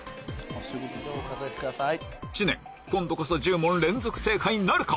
知念今度こそ１０問連続正解なるか